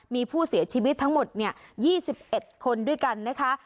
มีผู้เสียชีวิตทั้งหมดเนี่ยยี่สิบเอ็ดคนด้วยกันนะคะ